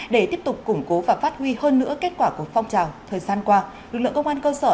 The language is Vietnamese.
để tiếp tục củng cố và phát huy hơn nữa kết quả của phong trào thời gian qua lực lượng công an cơ sở